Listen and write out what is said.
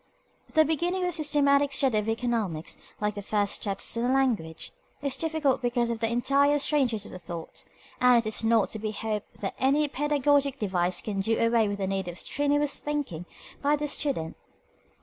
The beginning of the systematic study of economics, like the first steps in a language, is difficult because of the entire strangeness of the thought, and it is not to be hoped that any pedagogic device can do away with the need of strenuous thinking by the student.